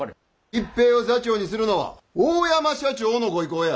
一平を座長にするのは大山社長のご意向や。